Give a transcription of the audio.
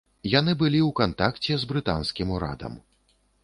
Яны былі ў кантакце з брытанскім урадам.